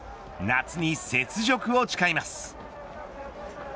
夏に雪辱を誓います。